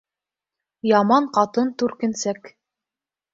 Яман ҡатын түркенсәк.